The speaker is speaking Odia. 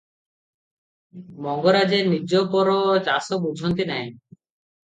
ମଙ୍ଗରାଜେ ନିଜ ପର ଚାଷ ବୁଝନ୍ତି ନାହିଁ ।